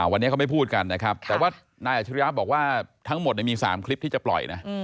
วันนี้เขาไม่พูดกันนะครับแต่ว่านายอัชริยะบอกว่าทั้งหมดมี๓คลิปที่จะปล่อยนะ